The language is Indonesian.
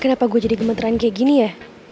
kenapa gue jadi gemeteran kayak gini ya